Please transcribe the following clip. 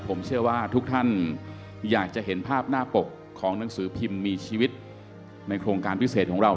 ผมเชื่อว่าทุกท่านอยากจะเห็นภาพหน้าปกของหนังสือพิมพ์มีชีวิตในโครงการพิเศษของเรา